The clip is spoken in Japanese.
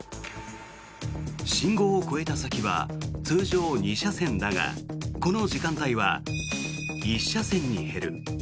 信号を越えた先は通常、２車線だがこの時間帯は１車線に減る。